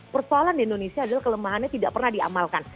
persoalan di indonesia adalah kelemahannya tidak pernah diamalkan